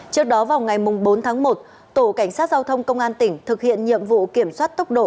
trước đó vào ngày bốn tháng một tổ cảnh sát giao thông công an tỉnh thực hiện nhiệm vụ kiểm soát tốc độ